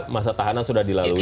masa tahanan sudah dilalui